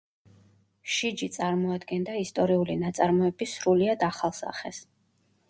შიჯი წარმოადგენდა ისტორიული ნაწარმოების სრულიად ახალ სახეს.